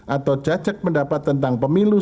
atau cacak pendapat tentang pemilu